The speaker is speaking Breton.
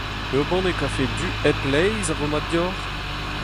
Ur banne kafe du hep laezh a vo mat deoc'h ?